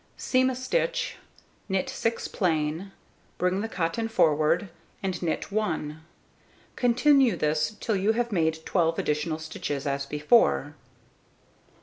Seam a stitch, knit 6 plain, bring the cotton forward, and knit 1. Continue this till you have made 12 additional stitches, as before.